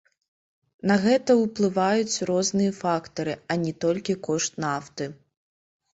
На гэта ўплываюць розныя фактары, а не толькі кошт нафты.